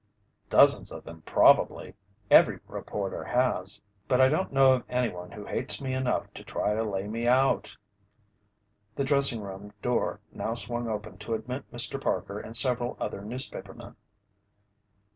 "Dozens of them probably. Every reporter has. But I don't know of anyone who hates me enough to try to lay me out." The dressing room door now swung open to admit Mr. Parker and several other newspapermen.